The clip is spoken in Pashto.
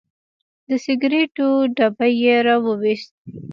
د سګریټو ډبی یې راوویست.